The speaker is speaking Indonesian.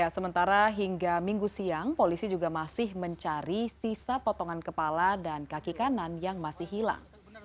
sementara hingga minggu siang polisi juga masih mencari sisa potongan kepala dan kaki kanan yang masih hilang